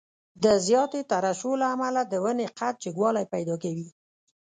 د زیاتې ترشح له امله د ونې قد جګوالی پیدا کوي.